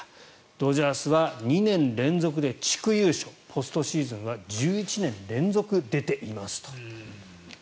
ドジャースは２年連続で地区優勝ポストシーズンは１１年連続出ていますと。